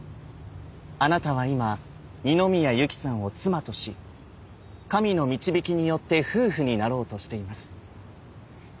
あなたは今二宮ゆきさんを妻とし神の導きによって夫婦になろうとしています。